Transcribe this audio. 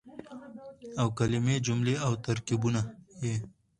او کلمې ،جملې او ترکيبونه يې